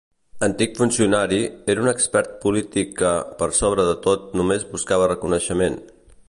Antic funcionari, era un expert polític que, per sobre de tot només buscava reconeixement.